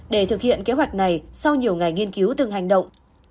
để thực hiện kế hoạch này sau nhiều ngày nghiên cứu từng hành động